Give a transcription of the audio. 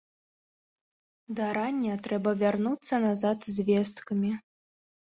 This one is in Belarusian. Да рання трэба вярнуцца назад з весткамі.